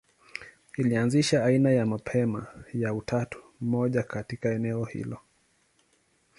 Ilianzisha aina ya mapema ya utatu mmoja katika eneo hilo.